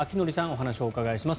お話をお伺いします。